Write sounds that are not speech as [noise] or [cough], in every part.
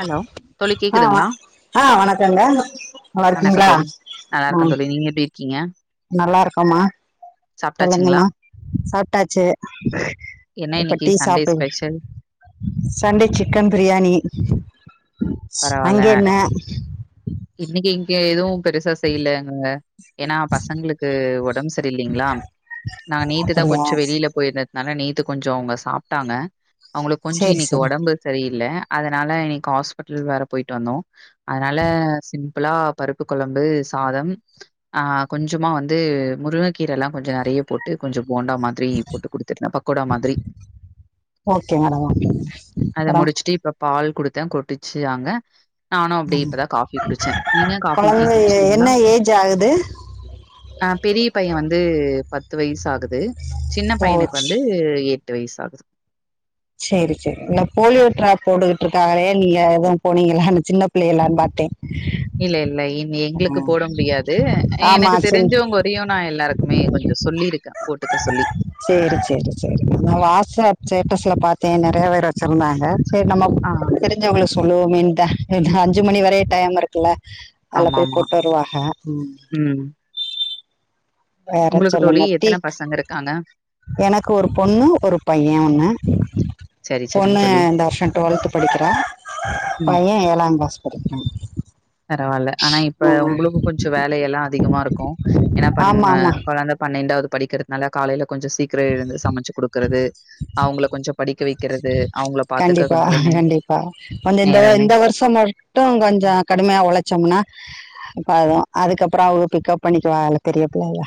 Hello தோழி ஆ வ கேக்குதுங்ளா ஆ வணக்கங்க நல்லா வணக்கோ இருக்கீங்களா தோழி நல்லாருக்கோ தோழி நீங்க எப்டி இருக்கீங்க நல்லாருக்கோமா சாப்ட்டாச்சுங்களா சொல்லுங்கம்மா சாப்ட்டாச்சு என்ன இப்ப இன்னைக்கு டீ சண்டே சாப்ட்டு ஸ்பெஷல் சண்டே சிக்கன் பிரியாணி பரவால்ல அங்க என்ன இன்னைக்கு இங்க எதுவு பெருசா செய்யலங்க ஏனா பசங்களுக்கு ஒடம் சரில்லங்ளா நா நேத்துதா அப்படியா கொஞ்சோ வெளில போயிருந் தனால நேத்து கொஞ்சோ அவுங்க சாப்ட்டாங்க அவுங்களுக்கு கொஞ்சோ சேரி இன்னைக்கு சரி ஒடம்பு சரியில்ல அதனால இன்னைக்கு ஆஸ் பிட்டல் வேற போயிட்டு வந்தோ அதனால சிம்பிளா பருப்பு குழம்பு சாதம் ஆ கொஞ்சமா வந்து முருங்கக்கீரல்லா கொஞ்ச நெறைய போட் டு கொஞ்ச போண்டா மாதிரி போட்டு குடுத்துருந்தே பக்கோடா மாதிரி [unintelligible] அத அப்பறோ முடிச்சுட்டு இப்ப பால் குடுத்தே கொட்டுச்சு ஆங்க நானு அப்டியே இப்பதா காஃபி குடிச்சே நீங்க காஃபி டீ கொழந்த குடிச்சிட்டிங்ளா என்ன ஏஜ் ஆகுது ஆ பெரிய பைய வந்து பத்து வயசு ஆகுது சின்ன ஓ பையனுக்கு வந்து எ ட்டு வயசு ஆகுது சேரி சேரி இல்ல போலியோ ட்ராப் போட்டுக்கிட்டு இருக்காகளே நீங்க எது போனீங்ளா அன சின்ன பிள்ளைகள்லா பாத்தே இல்ல இல்ல இனி எங்களுக்கு போட முடியாது ஆமா எனக்கு சின் தெரிஞ்சவங்க வரையு நா எல்லாருக்குமே கொஞ்ச சொல்லிருக் க போட்டுக்க சொல்லி சேரி சேரி சேரி நா வாட்ஸ்அப் ஸ்டேட்டஸ்ல பாத்தே நெறைய வேரு வச்சிருந்தாங்க சேரி நம்ம ஆ தெரிஞ்சவங்களுக்கு சொல்லுவமேன் தா ஏன்னா அஞ்சு மணி வரைய டைம் இருக்குல்ல அதுல போய் ஆமாமா. போட் வருவாக ம் வேற உங்களுக்கு தோழி சொல்லுங்க எத்தன டீக் பசங்க இருக்காங்க? எனக்கு ஒரு பொண்ணு ஒரு பைய ஒன்னு சரி, சரிங்க பொண்ணு தோழி. இந்த வர்ஷ ம், டுவெல்த் படிக்கிறா ம். பைய ஏழா கிளாஸ் [inaudible] பரவாயில்ல ஆனா இப்ப உங்ளோக்கு கொஞ்ஜோம் வேல எல்லாம் அதிகமா இருக்கும் என்னா ஆமா ஆமா பண்ண ஆமா குழந்த பன்னெண்டாவது படிக்குது நல்லா காலையில கொஞ்ஜோம் சீக்கிரம் எழுந்து சமச்சு கொடுக்குறது அவங்கள கொஞ்ஜோம் படிக்க வெக்கிறது கண்டிப்பா கண்டிப்பா அந்த இந்த நேரமே இந்த வருஷம் இப்ப மட்டும் ம். கொஞ்ஜோம் கடுமையா உழச்சோம்னா அப்ப அதான் அதுக்கப்புறோம் அவுங்க பிக்கப்பண்ணிக்குவா அவ பெரிய பிள்ளையில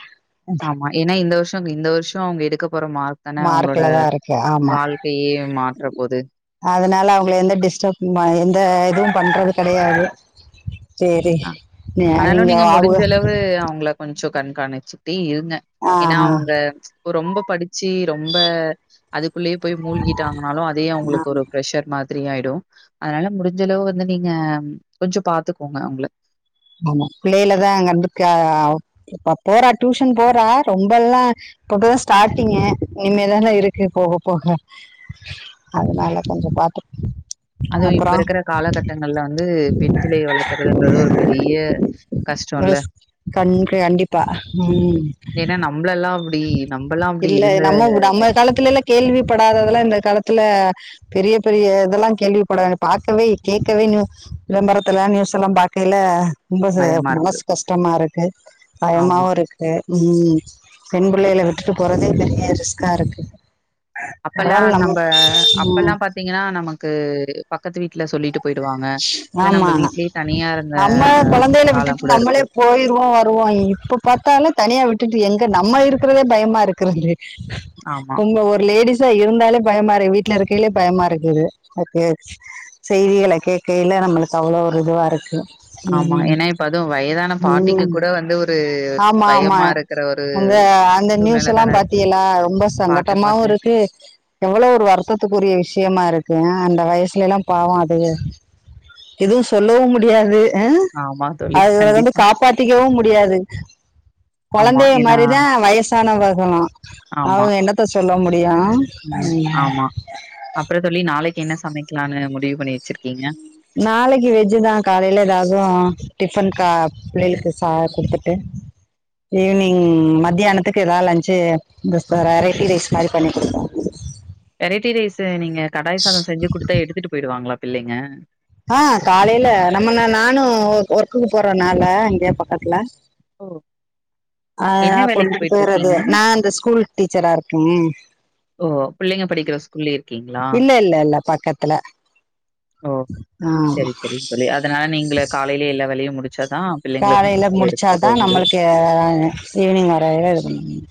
ஆமா ஏன்னா இந்த வருஷோம் இந்த வருஷோம் அவங்க எடுக்க போற மார்க் தான அவுங்களோட மார்க்ல தா இருக்கு ஆமா வாழ்க்கையே மாற்ற போது அதனால அவுங்கள எந்த டிஸ்டர்பு எந்த இதுவும் பண்றது கெடயாது சேரி நீங்க வாவு அவுங்கள கொஞ்ஜோம் கண்காணிச்சுட்டே இருந்தன் ஆ ஏன்னா அவுங்க ரொம்ப படிச்சு ரொம்ப அதுக்குள்யே போய் மூழ்கிட்டாங்கனாலும் அதே அவுங்களுக்கு ஒரு பெஷர் மாதிரி த்றீ ஆயிடு அதனால முடிஞ்சளவு வந்து நீங்க கொஞ்ஜோம் பாத்துக்கோங்க அவுங்கள ஆமா பிள்ளையிலதான் வந்து இப்ப போறா டியூஷன் போறா ரொம்பல்லாம் இப்பதா ஸ்டாட்டிங்கு இனிமேதாங்க இருக்கு போக போக அதனால கொஞ்ஜோ பாத்துப்போ அதுவும் இப்ப இருக்குற காலகட்டங்கள்ல வந்து பெண் பிள்ளய வளர்க்கறதுன்றது ஒரு பெரிய கஷ்டம்ல. யஸ் கண் கண்டிப்பா ம் ஏன்னா நம்மள எல்லாம் அப்டி நம்மல்லாம் அப்டி இருந்துல்ல கேள்வி படாதது எல்லாம் இந்த காலத்துல பெரிய பெரிய இதெல்லாம் கேள்விப்படாத பாக்கவே கேக்கவே இன்னும் விளம்பரத்துல நியூஸ் எல்லாம் பாக்கைல ரொம்ப பயமா இருக்கு. மனசு கஷ்டமா இருக்கு ஆமா. பயமாவும் இருக்கு ம் பெண் பிள்ளையள விட்டுட்டு போறதே பெரிய ரிஸ்கா இருக்கு பரவால்ல அப்பெல்லாம் நம்ம நம்ப ம் அப்பபெல்லாம் பாத்தீங்கன்னா நமக்கு பக்கத்து வீட்டுல சொல்லிட்டு போயி்டுவாங்க இல்ல நம்ப ஆமா வீட்லயே தனியா இருந்த காலம் கூட இருக்கு போயிருவோம் வருவோம் இப்ப பாத்தாலும் தனியா விட்டுட்டு எங்க நம்ம இருக்குறதே பயமா இருக்குறது ஆமா, இங்க ஒரு லேடிஸ் வீட்ல இருந்தாலே பயமா இருக்கு வீட்ல இருக்கேலே பயமா இருக்குது செய்திகள கேட்க கையில நம்மளுக்கு அவ்ளோவு ஒரு இதுவா இருக்கு ஆமா ம் ஏனா இப்ப அதுவும் வயதான பாட்டிக்கு ம் கூட வந்து ஒரு பயமா இருக்கு அங்க அந்த நியூஸ் எல்லாம் இருக்கு. பாத்தீகளா ரொம்ப பாத்தேன், சங்கட்டமாவு பாத்தேன். இருக்கு எவ்வளோவு ஒரு வருத்தத்துக்குரிய விஷயமா இருக்கு அ அந்த வயசுல எல்லா பாவோம் அது எதுவும் சொல்லவும் முடியாது ம் ஆமா தோழி, அதுல வந்து கண்டிப்பா. காப்பாத்திக்கவும் முடியாது ஆமா. குழந்தைக ஏன்னா மாதிரிதான் வயசானவகளும் ஆமா. அவங்க என்னாத்த சொல்ல முடியோம் ம் ம் ஆமா அப்றோ தோழி நாளைக்கு என்ன சமைக்கலான்னு முடிவு பண்ணி வச்சிருக்கீங்க நாளைக்கு வெஜ்ஜுதான் காலையில ரசோம் டிஃபன்க்கு பிள்ளைகளுக்கு சா கொடுத்துட்டு ஈவினிங் மத்தியானத்துக்கு ஏதாது லன்சு வெரைட்டி ரைஸ் மாரி பண்ணி கொடுப்போ வெரைட்டி ரைஸ்சு நீங்க கடாய் சாதோ செஞ்சு கொடுத்தா எடுத்துட்டு போயிடுவாங்களா பிள்ளைங்க ஆ காலையில நம்ம நானு ஒ ஒர்க்குக்கு போறனால இங்க பக்கத்துல ஓ அ என்ன வேலைக்கு கொண்டுட்டு போறது போயிட்டுருக்கீங்க? நா அந்த ஸ்கூல் டீச்சரா இருக்கேன் ஓ பிள்ளைங்க படிக்கிற ஸ்கூல்லே இருக்கீங்களா இல்ல இல்ல இல்ல பக்கத்துல ஓ ஆ செரி செரி தோழி அதனால நீங்ளே காலையிலயே எல்லா வேலையு முடிச்சாதா காலையில முடிச்சாதா நம்மளுக்கு ஈவினிங் வர இது பண்ண முடியு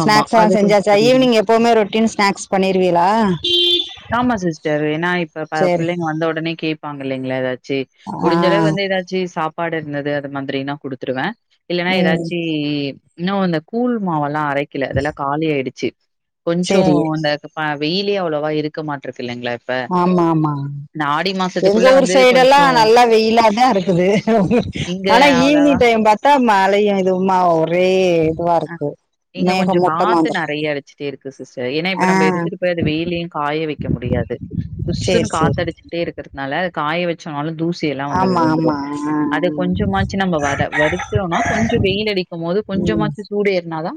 ஆமா. ஸ்நாக்ஸ்ல்லா அது கொஞ்சம் செஞ்சாச்சா கடினம். ஈவினிங் எப்வுமே ரொட்டின் ஸ்நாக்ஸ் பண்ணிருவீங்கலா ஆமா சிஸ்டர் ஏன்னா இப்ப பிள்ளைங்க வந்த உடனே கேப்பாங்க இல்லைங்களா ஏதாச்சு சி முடிஞ்சளவு ஆ வந்து ஏதாச்சு சாப்பாடு இருந்தது அது மாதிரில்லா குடுத்துருவே இல்லன்னா ம் ஏதாச்சு இன்னு இந்த கூழ் மாவெல்லா அரைக்கல அதெல்லா காலி ஆயிடுச்சு கொஞ்சோ சேரி அந்த வெயிலே அவ்ளவா இருக்க மாட்டிருக்குது இல்லைங்களே ஆமா ஆமா ஆடி மா எங்க ஊர் சைடெல்லா நல்லா வெயிலாதா இருக்குது இங்க ஆனா அவ்வளவா ஈவினிங் டைம் பாத் தா மலையு இதுவுமா ஒரே இதுவா அ இருக்கு இங்க மேக கொஞ்ச மூட்டமா காத்து வந்துருக்கு நெறைய வச்சுட்டே இருக்கு சிஸ்டர் ஏன்னா இப்ப ஆ நம்ம எடுத்துட்டு போய் அது வெயிலயு காய வைக்க முடியாது புஸ்சுன்னு சேரி சேரி காத்தடிச்சிட்டே இருக்கறதுனால காய வச்சோனாலு தூசி எல்லா வந்து ஆமா விழுந்துடு ஆமா ஆ அத கொஞ்சமாச்சு நம்ம வர வருக் விட்றனு கொஞ்ச வெயிலடிக்கு போது கொஞ்சமா ம் சூடு ஏருனாதா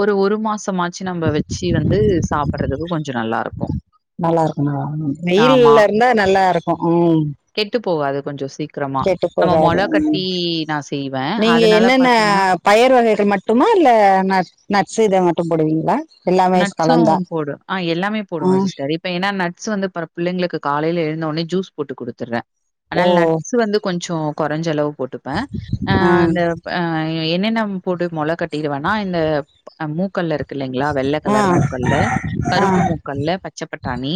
ஒரு ஒரு மாசமாச்சு நம்ம வச்சு வந்து சாப்ட துக்கு கொஞ்சோ நல்லா இருக்கு நல்லா இருக்கு நல்லா இருக் ஆமா. வெயில்ல இருந்தா நல்லா இருக்கு ம் கெட்டு போவாது கொஞ்ச சீக் க்கிரமா கெட்டு நம்ம போகாது மொள ம் கட்டி நான் செய்வேன் நீங்க அதனால என்னென்ன பாத்தீங்கன்னா பயர் வகைகள் மட்டுமா இல்ல நடஸ்ஸு இதை மட்டும் போடுவீங்களா எல்லாமே கலந்தா நட்சும் போடு ஆ எல்லாமே போடுவே ம் சிஸ்டர் இப் ஏன்னா நட்ஸ் வந்து பற பிள்ளைங்க காலைல எழுந்தோன உடனே ஜூஸ் போட்டு கொடுத்துடுவே ஓ அதனால நட்ஸ் வந்து கொஞ்சோ குறஞ்ச அளவு போட்டுப்பே ஆ அந்த அ என்னென்ன போட்டு மொள கட்டிடுவேனா இந்த மூக்கல்ல இருக்கு இல்லைங்களா வெள்ள வெள்ள மூக்க கலர் ஆ மூக்கல்ல ஆ கருப்பு மூக்கல்ல பச்சபட்டாணி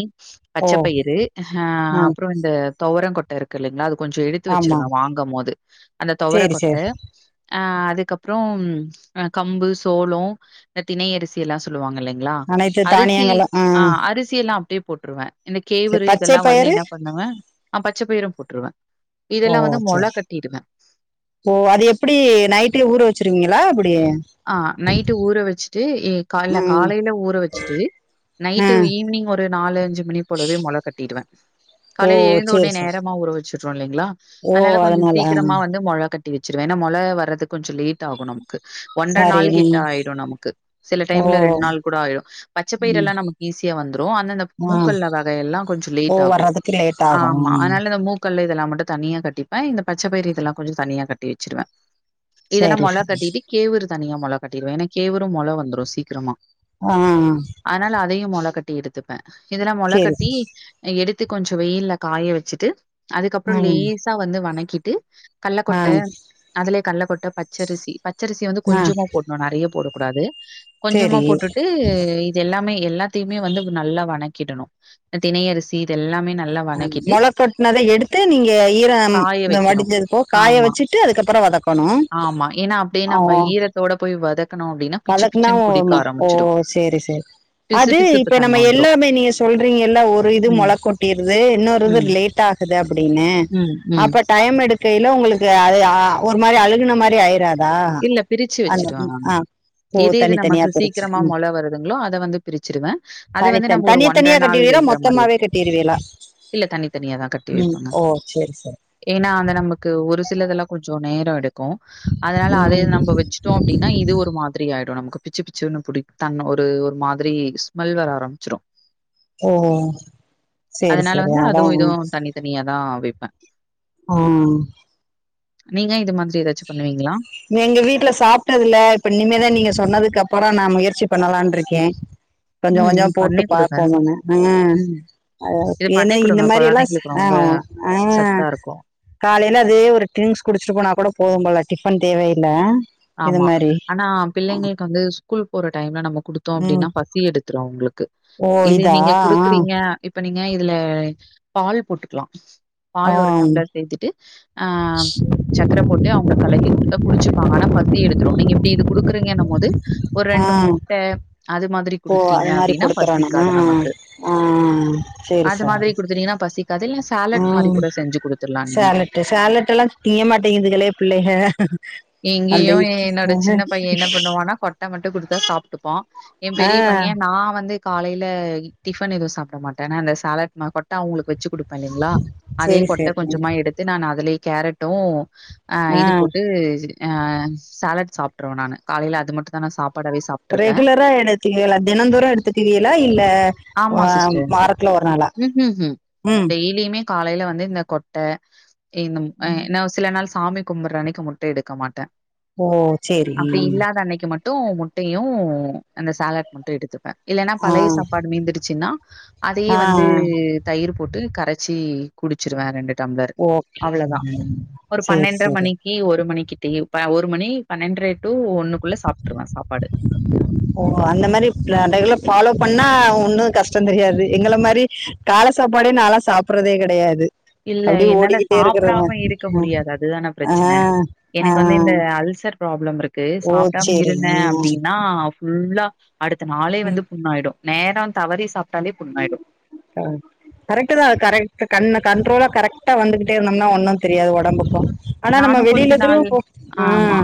பச்ச ஓ பயிரு ஆ அப்றோ இந்த துவர கொட்ட இருக்கு இல்லைங்களா அது கொஞ்ச எடுத்து ஆமா வச்சிருங்க வாங்கு போது அந்த துவர சேரி கொட்ட சேரி அ அதுக்கப்புற கம்பு சோளோ இந்த தினை அரிசி எல்லா சொல் வாங்க இல்லங்களா அனைத்து அரிசி தானியங்களு ஆ அரிசி எல்லா அப்டியே போட்ருவே இந்த சேரி கேவுரு பச்சை இதெல்லா வந்து பயிறு என்ன பண்ணுவ ஆ பச்சப்பயிரு போட்டுருவே ஓ ஓகே அது எப்டி நைட்டே ஊற வச்சிருவீங்களா எப்டி ஆ நைட்டு ஊற வச்சுட்டு இல்ல ம் காலையில ஊற வச்சுட்டு ஆ நைட்டு ஈவினிங் ஒரு நாலு அஞ்சு மணி போலவே மொள கட்டிடுவே ஓ காலையில சேரி எழுந்தோன சேரி நேரமா ஊற வச்சுருவோ இல்லைங்களா ஓ அதனால கொஞ்ச ஆ சீக்கிரமா வந்து மொள கட் டி வச்சுருவே ஏன்னா மொல வர்றது கொஞ்ச லேட் ஆகு நமக்கு ஒன்றரை சரி நாள் கிட்ட ம் ஆயிடும் நமக்கு சில ஓ டைம்ல ரெண்டு நாள் கூட ஆயிடும் பச்சை ம் பயிரெல்லாம் நமக்கு ஈஸியா வந்துரும் ஆனா இந்த ஆ மூக்கள் வகையெல்லாம் கொஞ்சம் ஓ லேட் ஆகும் வர்றதுக்கு லேட் ஆகு ஆமா அதனால இந்த மு முக்கல் இதல்லாம் மட்டும் தனியா கட்டிப்பேன் இந்த பச்ச பயிற இதல்லா கொஞ்சம் தனியா கட்டி வச்சுடுவேன் இதெல்லாம் சேரி மொள சரி சரி கட்டிட்டு கேவுரு தனியா மொள கட்டிடுவேன் ஏன்னா கேவுரு மொள வந்துடும் சீக்கிரமா ஆ ஆனா அதையும் மொள கட்டி எடுத்துப்பேன் இதெல்லாம் மொளை சேரி கட்டி எடுத்து கொஞ்சம் வெயில்ல காய வச்சுட்டு அதுக்கப்புறம் ம் லேசா வந்து வணக்கிட்டு கல்ல ஆ கொட்டை அதுலயே கல்ல கொட்டை பச்சரிசி பச்சரிசி வந்து ஆ கொஞ்சமா போட்னோ நெறிய போடக்கூடாது கொஞ்சமா சேரி போட்டுட்டு இது எல்லாமே எல்லாத்தியுமே வந்து நல்லா வணக்கிடணு தினை அரிசி இது எல்லாமே நல்லா வணக்கிட்டு மொளக்கட்னத எடுத்து நீங்க ஈரம் காய வைக்கணும். வடிஞ்சதுபோ காய ஆமா, வச்சுட்டு அதுக்கப்பறோ வதக்கணு ஆமா ஏனா அப்டே நம்ப ஈரத்தோட போய் வதக் வதக்னா ஓமா ஓ சேரி சேரி பிசு அது பிசுப்பு இப்ப தன்ம நம்ம வந்துரும். எல்லாமே நீங்க சொல்றிங்கல்ல ஒரு இது மொள ம், கொட்டிருது இன்னொரு இது ம், லேட்டா குது அப்புடின்னு ம், ம். அப்ப டைம் எடுக்கைல உங்குளுக்கு அது ஆ ஒரு மாரி அழுகுன மாரி ஆய்றாதா தா இல்ல பிரிச்சு அன் வச்சுருவேன் ம் நானு. அ எது எது நமக்கு சீக்கிரமா மொள வருதுங்ளோ அத வந்து பிரிச்சிருவே அது வந்து நம்ம ஒரு ஒன்றர நாள் வெல்றோ த்தமாவே கட்டிருவேலா ம் ஓ சேரி சரி ஏனா அந்த நமக்கு ஒரு சிலதெல்லா கொஞ்சோ நேரோ எடுக்கோ அதனால அதேத ம் நம்ம வெச்சுட்டோ அப்டின் இது ஒரு மாதிரி ஆய்டு நமுக்கு பிச்சு பிச்சுன்னு புடிக் தன் ஒரு மாதிரி ஸ்மெல் வர ஆரம்ச்சிரோ ஓ சேரி அதனால சேரி வந்து அதா அதுவு இதுவு ம் தனி தனியாதா வெப்பே ஆ நீங்க இது மாதிரி ஏதாச்சு பண்ணுவிங்ளா எங்க வீட்ல சாப்ட்டதுல இப்ப இனிமேதா நீங்க சொன்னதுக்கு அப்பறோ நா முயற்சி பண்ணலான்ருக்கே கொஞ்சோ ம். கொஞ்சோ இது போட்டு பண்ணி குடுங்க. பாப்போங்கன்னு ம். ஆ அதா இது ஏனா பண்ணி இந்த குடுங்க. மாரி எல்லா குழந்தைங்களுக்கு ஆ ரொம்ப ஆ சத்தா இருக்கும். காலையில அதே ஒரு ட்ரிங்க்ஸ் குடிச்ட்டு போனா கூட போதும் போல டிஃபன் தேவயில்ல ஆமா ஆனா பிள்ளைங்கள்க் வந்து ஸ்கூல் போற டைம்ல நம்ம குடுத்தோ அப்டினா ம் பசி எடுத் த்ரோ அவ்ங்ளுக்கு ஓ இது இதா நீங்க ஆ குடுக்குறிங்க இப்ப நீங்க இதுல பால் போட்டுக்லா பால் ஓ ஒரு டம்ளர் சேத்துட்டு ஆ சக்ரப் போட்டு அவுங்ளுக்கு கலக்கி குடுத்தா குடிச்சுப்பாங்க ஆனா பசி எடுத்ரு நீங்க இப்டி இது குடுக்றீங்கன்னுமோது ஒரு ஆ ரெண்டு முட்ட அது மாதிரி ஓ குடுத்துட்டிங்க அது மாரி அப்டின்னா குடுத்துறணு ஆ பசிக்காது நமக்கு ஆ சேரி அது மாதிரி சார் குடுத்துட்டிங்கன்னா பசிக் கதெல்லாஸ் ம் சேலட்டு் சோலட் எல்லா திங்க மாட்டேங்குதுகளே பிள்ளைஹ இங்கேயு என்னோட சின்ன பையன் என்ன பண்ணுவானா கொட்ட மட்டு குடுத்தா சாப்ட்டுப்பான் என் ஆ பெரிய பையன் நா வந்து காலைல டிஃபன் எதுவு சாப்ட மாட்ட நா இந்த த சாலட் ம கொட்ட அவுங்ளுக்கு வெச்சு குடு பல்லிங்ளா அதே சேரி கொட்ட சேரி கொஞ்சமா எடுத்து நா அதுலயே கேரட்டும் ஆ இது போட்டு் சோலட் சாப்ட்டுருவே நானு காலைல அது மட்டு தா நா சாப்பாடாவே சாப் ரெகுலரா எடுத்துகுவியலா தினம்தோரு எடுத்துக்குவீயலா இல்ல வா ஆமா சிஸ்டர். வாரத்ல ஒரு நாளா ம் காலைல வந்து இந்த கொட்ட ஏ இந்த சில நாள் சாமி கும்புற அன்னிக்கு முட்ட எடுக்க மாட் ட ஓ சேரி அப்டி ம் இல்லாத அன்னைக்கு மட் ட்டு முட்டயு அந்த சாலாட் மட்டு எடுத்துப்பே இல்லன்னா ஆ பழைய சாப்பாடு மீந்துருச்சுன்னா அதயே ஆ வந்து தயிரு போட்டு கரச்சி குடிச்சிருவே ரெண்டு டம்ளர் ஓகே அவ்ளதா ம் ஒரு சேரி பன்னெண்ட்ர சேரி மணி கி ஒரு மணிக்கி டீ ஒரு மணி பன்னெண்ட்ர டூ ஒண்ணுக்குள்ள சாப்ட்ருவே சாப்பாடு ஓ அந்த மாரி ரெகுலர் ஃபாலோ பண்ணா ஒன்னு கஷ்டோ தெரியாது எங்கள மாரி கால சாப்பாடே நா லா சாப்பறதே கெடயாது இல்ல என்னால சாப்டாம இருக்க ம் முடியாது அதுதான ஆ பிரச்சன ஆ எனக்கு வந்து இந்த அல்சர் ப்ராப்ளம் இருக்கு ஓ சாப்பிடாம சேரிங்க இருந்தே அப்டின்னா ஃபுல்லா அடுத்த நாளே ம் வந்து புண்ணாயிடு நேரோ தவறி சாப்ட்டாலே புண்ணாயிடு ஆ கரெக்ட தா கரெக் கண் கண்ட்ரோலா கரெக்டா வந்துகிட்டே இருந்தோம்னா ஒன்னு தெரியாது உடம்புக்கு ஆனா நம்ம நானும் கொஞ்ச வெளியில எதிர நாள் போ ஆ ஆமா.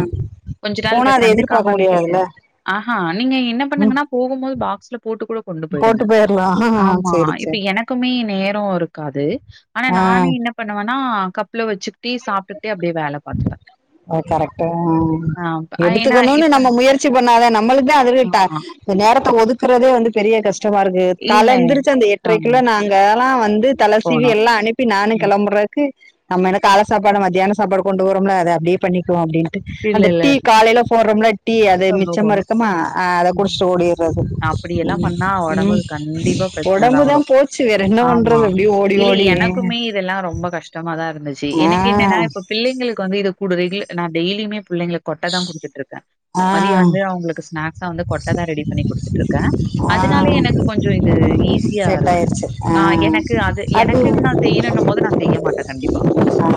போனா அதை எதிர்பார்க்க முடியாதுல ஆ ஆ நீங்க என்ன பண்ணுங்கன்னா போகும் போது பாக்ஸ்ல போட்டுக் கூட கொண்டு போயிடுங்க போட்டு போயிரலா ஆமா சேரி இப்ப சேரி எனக் குமே நேரோ இருக்காது ஆனா ஆ நானே என்ன பண்ணுவேன்னா கப்புல வச்சுக்கிட்டே சாப்ட்டு அப்டியே வேல பாத்துப்பே அ கரெக்ட் அ ஏன்னா எடுத்துக்கணும்னு இப்ப நம்ம முயற்சி பண்ணாத நம்மளுக்கு அதுதா அட்ட ஆமா. இந்த நேரத்த ஒதுக்குறதே வந்து பெரிய கஷ்டமா இருக் கு இல்ல. கால்ல எந்திரிச்சு அந்த எட்டரை ஆமா. கூள்ள நாங்கல்லா வந்து தலசிவி போணும். எல்லா அனுப்பி நானு ம். கிளம்பறே க்கு நம்ம என்ன கால சாப்பாடு மத்தியான சாப்பாடு கொண்டு போரோம்ல அத அப்டியே பண்ணிக்களா அப்டின்ட்டு இல்ல, அந்த இல்ல. டீ காலையில போடுறோம்ல டீ அது மிச்சமா இருக்கமா ஆ அத ம். குடிச்சிட்டு ஓடிறது அப்படியெல்லாம் ம் பண்ணா ம் உடம்புக்கு கண்டிப்பா பிரச்சனை தான் ஒடம்புதா வரும். போச்சு வேற என்ன பண்றது அப்டியே ஓடி ஓடி அ இது எல்லா ரொம்ப கஷ்டமா தா இருந்துச்சு எனக்கு ஆ எனன்னா இப்ப புள்ளைங்களுக்கு வந்து இதகுடுற ரே நா டெய்லியுமே புள்ளைங்க கொட்ட தா குடுத்துட்டு இருக்கே ஆ மதிய வந்து அவுங்களுக்கு ஸ்நாக்ஸ்ஸா வந்து கொட்டை தா ரெடி பண்ணி குடுத்துட்டு இருக்கே அதனால ஆ எனக்கு கொஞ்சோ இது ஈஸ் சியா செட் இருக்கு ஆயிருச்சு ஆ எனக்கு அது எனக்குன்னு நா செய்யணும்ன்னு போது நா செய்ய மாட்டே கண்டிப்பா ஆ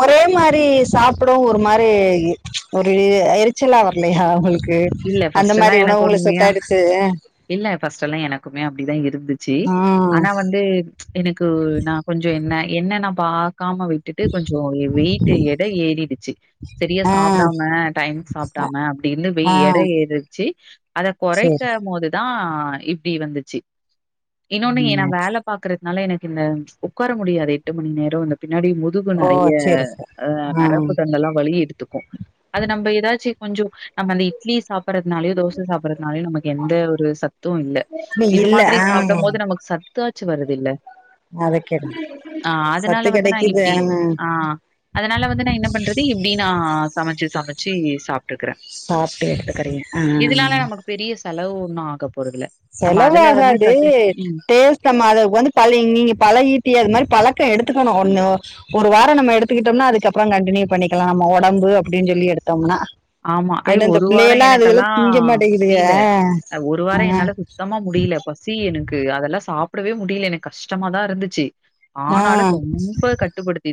ஒரே மாரி சாப்பிடவு ஒரு மாரி ஒரு எரிச்சலா வரலையா உங்களுக் கு இல்ல அந்த மாரி ஃபர்ஸ்ட்டெல்லாம் எனக்கு உணவுகள உண்மையா செட்டாயிடுச்சு இல்ல ஃபர்ஸ்ட் எல்லா எனக்குமே அப்டிதா இருந்துச்சு ம் ஆனா வந்து எனக்கு நா கொஞ்சோ என்ன என்ன நா பாகக்காம விட் டுட்டு கொஞ்சோ வெயிட்டு எட ஏறிடுச்சு செரியா ஆ சாப்பிடாம டைம் சாப்பிடாம அப்டி இருந்து ஆ எட ஏறிருச்சு அத குறைக்க சேரி போதுதா இப்டி வந்துச்சு இன்னொன்னு எ நா ம் வேல பாக்கறதுனால எனக்கு இந்த உக்கார முடியாது எட்டு மணி நேரோ இந்த பின்னாடி மு துகு ஓ நெறைய சேரி சேரி அ ஆ நரம்பு தண்டெல்லா வலி எடுத்துக்கு அது நம்ம ஏதாச்சு கொஞ்சோ நம்ம இந்த இட்லி சாப்பிடறதுனாலயோ தோசை சாப்பிடறதுனாலயோ நமக்கு எந்த ஒரு சத் து இல்ல இது இல்ல மாதிரி ஆ சாப்டும் போது நமக்கு சத்தாச்சு வருது இல்ல அத கேளுங்க ஆ சத்து அதனால வந்து நா கெடைக்குது ஆ இப்டி ஆ அதனால வந்து நா என்ன பண்றது இப்டி நா சமைச்சு சமைச்சு சாப்ட்டுகிறே சாப்ட்டு எடுத்துக்கிறீங்க இதுனால நமக்கு பெரிய செலவு ஒண்ணு ஆக போறதுல நம்ம அதுல வந்து கட்டு ம் கமா அதுக்கு வந்து பழ நீங்க பழகிட்டியே அது மாரி பழக்கம் எடுத்துக்கணு ஒண்ணு ஒரு வாரோ நம்ம எடுத்துக்கிட்டோம்னா அதுக்கப்றோ கண்டினியூ பண்ணிக்கலா நம்ம ஒடம்பு அப்டின்னு சொல்லி எடுத்தோம்னா ஆமா ஐ ஏன்னா இந்த ஒரு வாரோ பிள்ளைகல்லா அதுகல்லா எனக்கெல்லா திங்க மாட்டேங்குதுக முடில ஒரு வாரோ என்னால சு த்தமா முடியல பசி எனக்கு அதெல்லா சாப்பிடவே முடியல எனக்கு கஷ்டமாதா இருந்துச்சு ஆ ஆனாலு ஆ ரொம்ப கட்டுப்படுத்